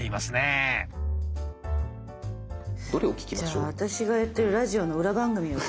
じゃあ私がやってるラジオの裏番組を。